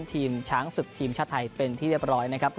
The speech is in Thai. ทีมช้างศึกทีมชาติไทยเป็นที่เรียบร้อยนะครับ